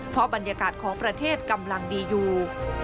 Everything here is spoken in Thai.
เพราะบรรยากาศของประเทศกำลังดีอยู่